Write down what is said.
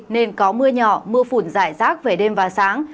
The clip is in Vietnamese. nên có mưa nhỏ mưa phùn giải rác về đêm và sáng